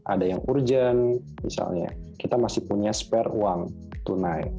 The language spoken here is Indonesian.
ada yang urgent misalnya kita masih punya spare uang tunai